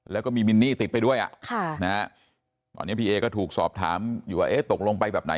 แล้วก็มีมินนี่ติดไปด้วยตอนนี้พี่เอก็ถูกสอบถามอยู่ว่าตกลงไปแบบไหน